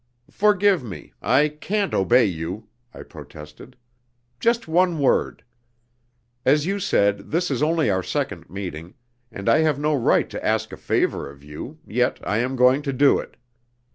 "Forgive me I can't obey you," I protested. "Just one word. As you said, this is only our second meeting, and I have no right to ask a favour of you, yet I am going to do it.